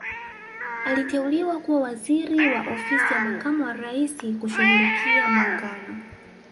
Aliteuliwa kuwa waziri wa ofisi ya makamu wa Raisi kushughulikia muungano